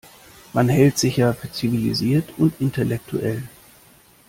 Man hält sich ja für zivilisiert und intellektuell.